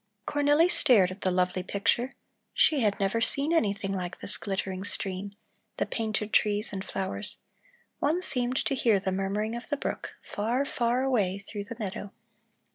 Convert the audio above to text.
Cornelli stared at the lovely picture; she had never seen anything like this glittering stream, the painted trees and flowers; one seemed to hear the murmuring of the brook, far, far away through the meadow.